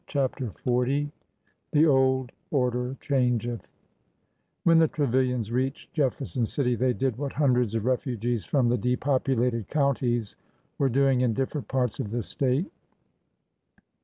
CHAPTER XL THE OLD ORDER CHANGETH W HEN the Trevilians reached Jefferson City they did what hundreds of refugees from the depopulated counties were doing in different parts of the State.